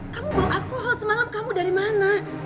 kamu bawa alkohol semalam kamu dari mana